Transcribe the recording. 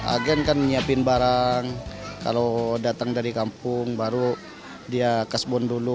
agen kan menyiapkan barang kalau datang dari kampung baru dia kasbon dulu